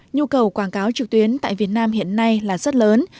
nhu cầu quảng cáo trực tuyến tại việt nam hiện nay là rất lớn